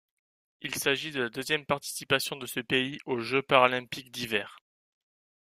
Il s'agit de la deuxième participation de ce pays aux Jeux paralympiques d'hiver.